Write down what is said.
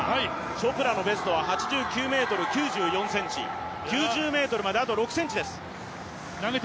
チョプラのベストは８９ｍ９４ｃｍ９０ｍまであと６ｃｍです。